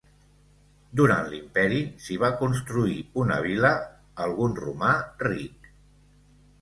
Durant l'imperi s'hi va construir una vila algun romà ric.